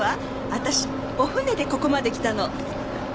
私お船でここまで来たの。